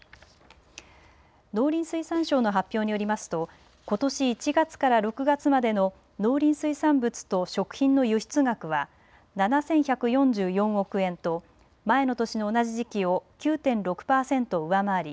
農林水産省の発表によりますとことし１月から６月までの農林水産物と食品の輸出額は７１４４億円と前の年の同じ時期を９．６％上回り